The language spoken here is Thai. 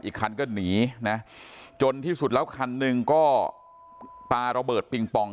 อีกคันก็หนีนะจนที่สุดแล้วคันหนึ่งก็ปลาระเบิดปิงปอง